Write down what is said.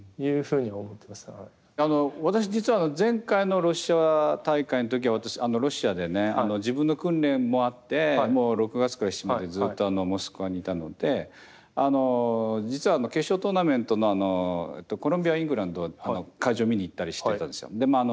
私実は前回のロシア大会の時はロシアでね自分の訓練もあって６月から７月までずっとモスクワにいたので実は決勝トーナメントのコロンビアイングランドは会場に見に行ったりしていたんですよ。